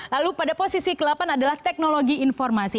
lalu pada posisi ke delapan adalah teknologi informasi